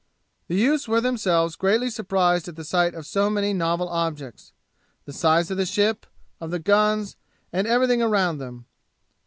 The youths were themselves greatly surprised at the sight of so many novel objects the size of the ship of the guns, and everything around them.